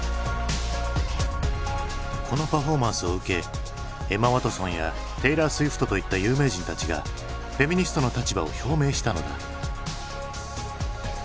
このパフォーマンスを受けエマ・ワトソンやテイラー・スウィフトといった有名人たちがフェミニストの立場を表明したのだ。